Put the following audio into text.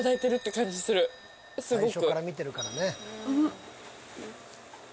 すごく。